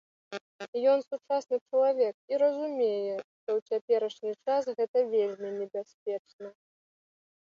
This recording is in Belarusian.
Ён сучасны чалавек і разумее, што ў цяперашні час гэта вельмі небяспечна.